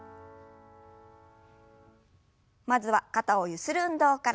まずは肩をゆする運動から。